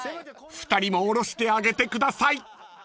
［２人も降ろしてあげてください］